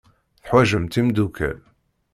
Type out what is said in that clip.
Teḥwajemt imeddukal.